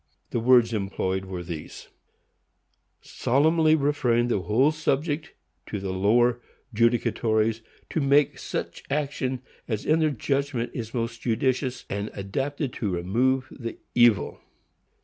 The words employed were these: "Solemnly referring the whole subject to the lower judicatories, to take such action as in their judgment is most judicious, and adapted to remove the evil."